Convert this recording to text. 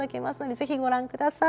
ぜひご覧ください。